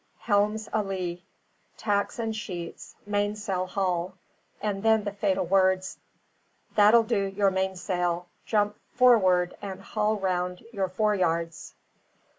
Helm's a lee. Tacks and sheets. Mainsail haul." And then the fatal words: "That'll do your mainsail; jump forrard and haul round your foreyards."